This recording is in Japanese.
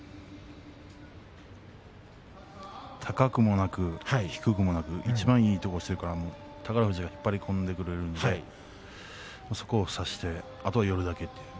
高くもなく低くもなくいちばんいいところ宝富士が引っ張り込んでくるそこを差してあとは寄るだけ。